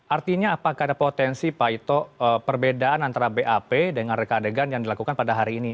artinya apakah ada potensi pak ito perbedaan antara bap dengan reka adegan yang dilakukan pada hari ini